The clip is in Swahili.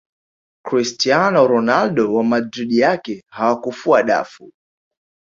cristiano ronaldo wa madrid yake hawakufua dafu